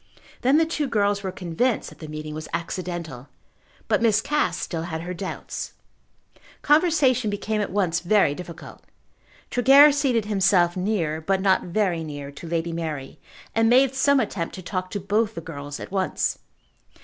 Then the two girls were convinced that the meeting was accidental; but Miss Cass still had her doubts. Conversation became at once very difficult. Tregear seated himself near, but not very near, to Lady Mary, and made some attempt to talk to both the girls at once.